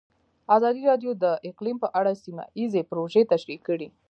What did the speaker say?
ازادي راډیو د اقلیم په اړه سیمه ییزې پروژې تشریح کړې.